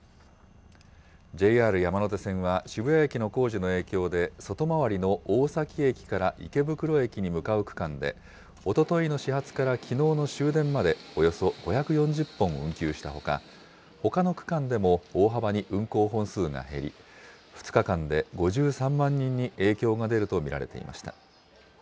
ＪＲ山手線は、渋谷駅の工事の影響で、外回りの大崎駅から池袋駅に向かう区間で、おとといの始発からきのうの終電まで、およそ５４０本運休したほか、ほかの区間でも大幅に運行本数が減り、２日間で５３万人に影響が出ると見られていました。